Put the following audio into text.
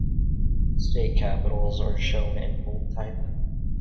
State capitals are shown in bold type.